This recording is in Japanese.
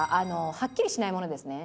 はっきりしないものですね。